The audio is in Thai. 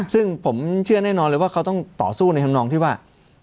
ซึ่งผมเชื่อแน่นอนเลยว่าเขาต้องต่อสู้ในธรรมนองที่ว่า